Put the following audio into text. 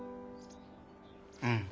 うん。